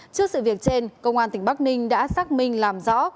trước sự việc trên công an tỉnh bắc ninh đã xác minh làm rõ